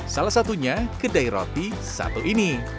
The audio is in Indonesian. salah satunya kedai roti satu ini